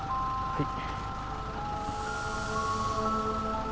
はい。